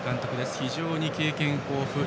非常に経験豊富です。